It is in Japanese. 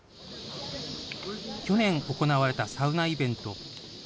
去年行われたサウナイベント。